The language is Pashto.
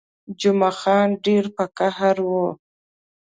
جمعه خان ډېر په قهر وو.